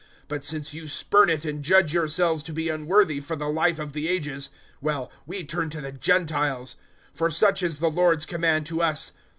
But since you spurn it and judge yourselves to be unworthy of the Life of the Ages well, we turn to the Gentiles. 013:047 For such is the Lord's command to us.